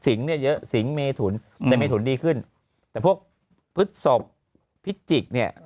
เนี่ยเยอะสิงเมถุนแต่เมถุนดีขึ้นแต่พวกพฤศพพิจิกเนี่ย